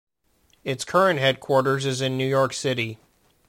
Its current headquarters is in New York City.